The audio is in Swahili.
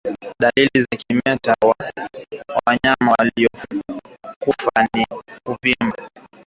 Dalili za kimeta wa wanyama waliokufa ni kuvimba